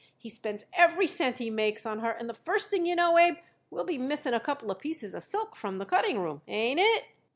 He spends every cent he makes on her, and the first thing you know, Abe, we'll be missing a couple of pieces of silk from the cutting room. Ain't it?"